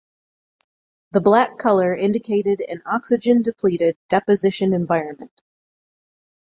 The black color indicated an oxygen depleted deposition environment.